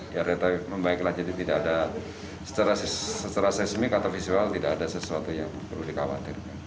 ya relatif membaiklah jadi tidak ada secara seismik atau visual tidak ada sesuatu yang perlu dikhawatirkan